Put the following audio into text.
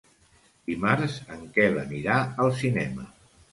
Dimarts en Quel anirà al cinema.